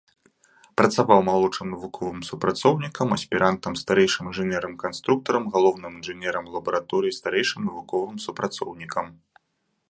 Працаваў малодшым навуковым супрацоўнікам, аспірантам, старэйшым інжынерам-канструктарам, галоўным інжынерам лабараторыі, старэйшым навуковым супрацоўнікам.